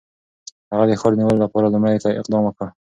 هغه د ښار د نیولو لپاره لومړی اقدام وکړ.